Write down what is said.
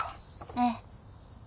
ええ。